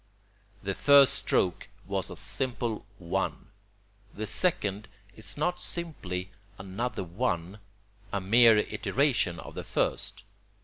The first stroke was a simple 1. The second is not simply another 1, a mere iteration of the first.